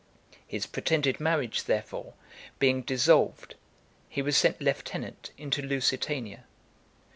His pretended marriage, therefore, being dissolved, he was sent lieutenant into Lusitania.